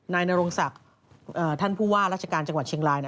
นายนรงศักดิ์ท่านผู้ว่าราชการจังหวัดเชียงราย